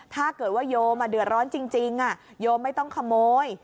ถ้าเกิดว่าโยมเดือดร้อนจริงโยมไม่ต้องขโมย